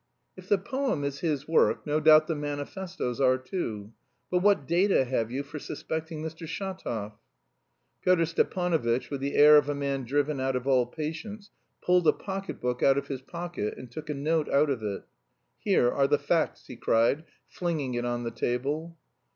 "If the poem is his work, no doubt the manifestoes are too. But what data have you for suspecting Mr. Shatov?" Pyotr Stepanovitch, with the air of a man driven out of all patience, pulled a pocket book out of his pocket and took a note out of it. "Here are the facts," he cried, flinging it on the table.